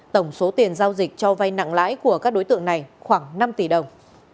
tổng số tiền giao dịch cho vay nặng lãi của các đối tượng này khoảng năm tỷ đồng